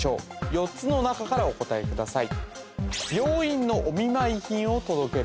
４つの中からお答えください